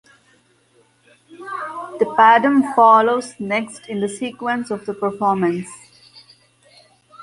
The Padam follows next in the sequence of the performance.